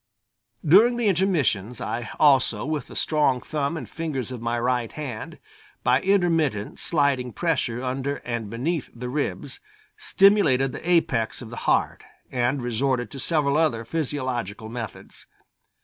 During the intermissions I also with the strong thumb and fingers of my right hand by intermittent sliding pressure under and beneath the ribs, stimulated the apex of the heart, and resorted to several other physiological methods.